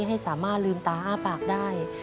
ให้สามารถลืมตาอ้าปากได้